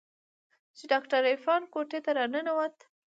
چې ډاکتر عرفان کوټې ته راننوت.